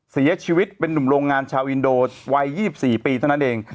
เสียชีวิตเป็นนุ่มโรงงานชาวอินโดวัย๒๔ปีเท่านั้นเอง